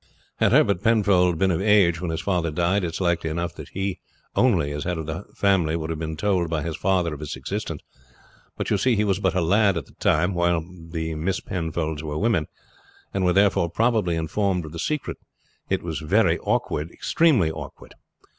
"'Had Herbert Penfold been of age when his father died it is likely enough that he only as head of the family would have been told by his father of its existence; but you see he was but a lad at that time, while the Miss Penfolds were women, and were therefore probably informed of the secret. It is very awkward, extremely awkward.